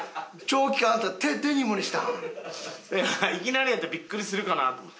いやいきなりやったらビックリするかなと思って。